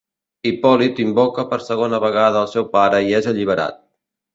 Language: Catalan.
Hipòlit invoca per segona vegada al seu pare i és alliberat.